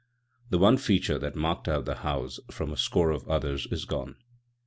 The one feature that marked out the house from a score of others is gone.